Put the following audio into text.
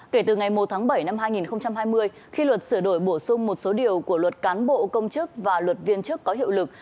kể từ ngày một tháng bảy năm hai nghìn hai mươi khi luật sửa đổi bổ sung một số điều của luật cán bộ công chức và luật viên chức có hiệu lực